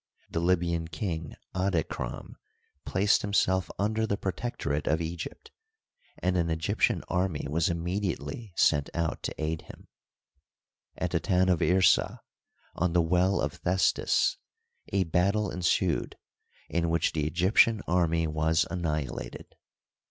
The Libyan king Adi kram placed himself under the protectorate of Egypt, and an Egyptian army was immediately sent out to aid him. At the town of Irsa, on the well of Thestis, a battle en sued, in which the Egyptian army was annihilated.